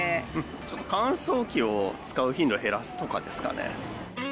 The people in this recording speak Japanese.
ちょっと乾燥機を使う頻度減らすとかですかね。